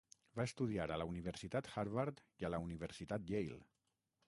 Va estudiar a la Universitat Harvard i a la Universitat Yale.